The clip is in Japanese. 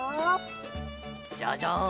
ジャジャン！